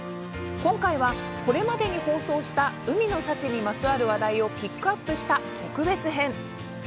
今回は、これまでに放送した海の幸にまつわる話題をピックアップした特別編。